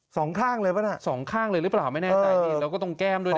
สองข้างเลยหรือเปล่าไม่แน่ใจแล้วก็ตรงแก้มด้วยนะ